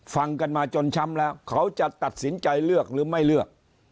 ฟังกันมาจนช้ำแล้วเขาจะตัดสินใจเลือกหรือไม่เลือก